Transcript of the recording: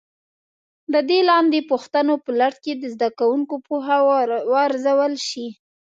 د دې لاندې پوښتنو په لړ کې د زده کوونکو پوهه وارزول شي.